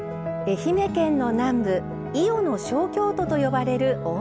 愛媛県の南部「伊予の小京都」と呼ばれる大洲市。